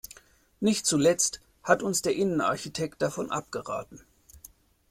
Nicht zuletzt hat uns der Innenarchitekt davon abgeraten.